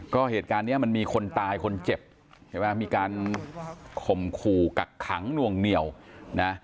ก็เหตุการณ์เนี้ยมันมีคนตายคนเจ็บใช่ไหมมีการข่มขู่กักขังหน่วงเหนียวนะ